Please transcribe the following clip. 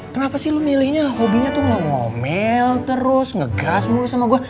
kenapa sih lu milihnya hobinya tuh gak ngomel terus ngegas mulut sama gue